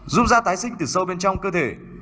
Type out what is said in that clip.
dung da tái sinh từ sâu bên trong cơ thể